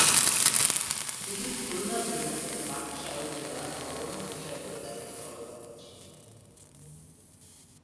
তিনি খুলনা বিভাগে বাকশাল জেলা গভর্নর হিসেবেও দায়িত্ব পালন করেছিলেন।